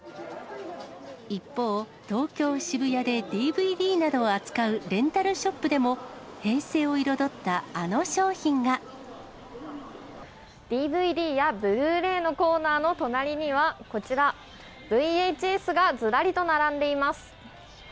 一方、東京・渋谷でＤＶＤなどを扱うレンタルショップでも、平成を彩っＤＶＤやブルーレイのコーナーの隣には、こちら、ＶＨＳがずらりと並んでいます。